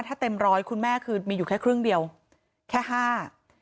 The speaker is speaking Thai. ถ้าเต็มร้อยคุณแม่คือมีอยู่แค่ครึ่งเดียวแค่ห้า